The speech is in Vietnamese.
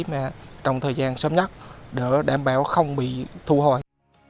mà trong thời gian sớm nhất để đảm bảo không bị thu hồi